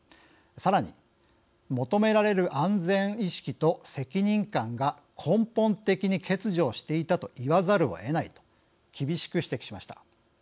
さらに求められる安全意識と責任感が根本的に欠如していたと言わざるをえないと厳しく指摘しました。